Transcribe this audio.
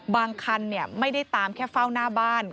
คันไม่ได้ตามแค่เฝ้าหน้าบ้าน